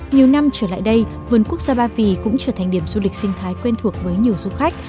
nhiều năm trở lại đây vườn quốc gia ba vì cũng trở thành điểm du lịch sinh thái quen thuộc với nhiều du khách